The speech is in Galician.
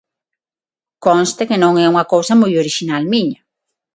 Conste que non é unha cousa moi orixinal miña.